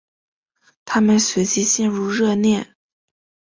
他们随即陷入热恋。